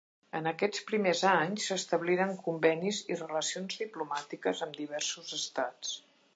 En aquests primers anys s'establiren convenis i relacions diplomàtiques amb diversos estats.